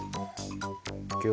いくよ。